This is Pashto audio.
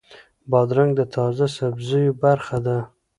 بادرنګ د تازه سبزیو برخه ده.